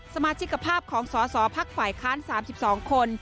สมาชิกภาพของสสพักฝ่ายค้าน๓๒คน